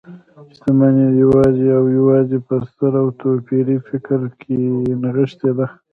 شتمنۍ يوازې او يوازې په ستر او توپيري فکر کې نغښتي ده .